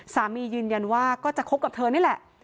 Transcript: ยืนยันว่าก็จะคบกับเธอนี่แหละ